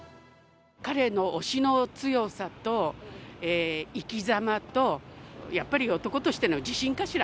彼の押しの強さと生き様とやっぱり男としての自信かしら？